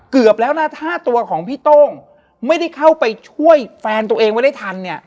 เกือบแล้วนะถ้าตัวของพี่โต้งไม่ได้เข้าไปช่วยแฟนตัวเองไว้ได้ทันเนี่ย